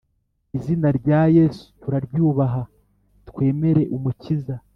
izina rya yesu turaryubaha, twemere umukiza